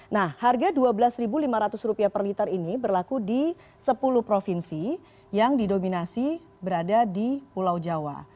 nah harga rp dua belas lima ratus per liter ini berlaku di sepuluh provinsi yang didominasi berada di pulau jawa